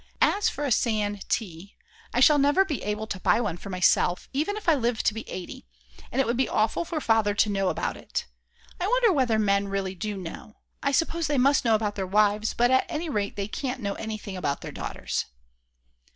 As for a San T , I shall never be able to buy one for myself even if I live to be 80. And it would be awful for Father to know about it. I wonder whether men really do know; I suppose they must know about their wives, but at any rate they can't know anything about their daughters.